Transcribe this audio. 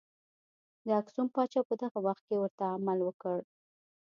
د اکسوم پاچا په دغه وخت کې ورته عمل وکړ.